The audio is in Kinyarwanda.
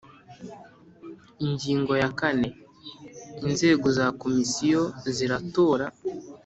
Ingingo ya kane Inzego za Komisiyo ziratora